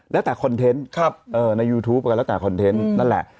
แล้วแต่คอนเทนต์ในยูทูปก็แล้วแต่คอนเทนต์นั่นแหละ